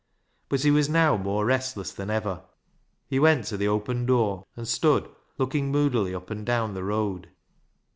But he was now more restless than ever. He went to the open door and stood looking moodily up and down the road.